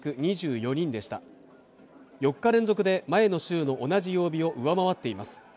４日連続で前の週の同じ曜日を上回っています。